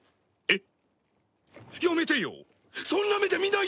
えっ。